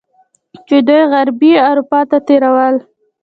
چې دوی غربي اروپا ته تیرول.